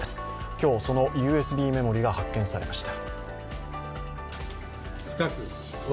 今日、そのＵＳＢメモリーが発見されました。